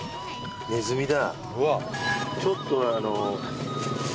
ネズミだ